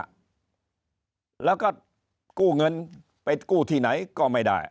แล้วก็กู้เงินไปกู้ที่ไหนก็ไม่ได้